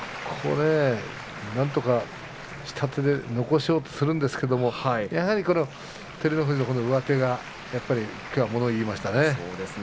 なんとか下手で残そうとするんですがやはり照ノ富士の上手がものを言いましたね。